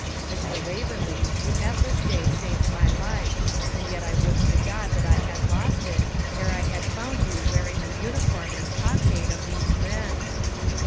'Mr. Waverley, you have this day saved my life; and yet I would to God that I had lost it, ere I had found you wearing the uniform and cockade of these men.'